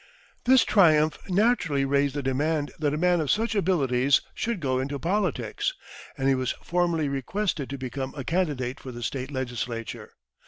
This triumph naturally raised the demand that a man of such abilities should go into politics, and he was formally requested to become a candidate for the State Legislature.